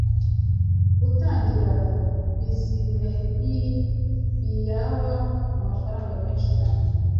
Gutangira bizinei biaba amafaranga menhi cyane